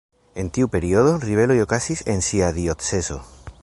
En tiu periodo ribeloj okazis en sia diocezo.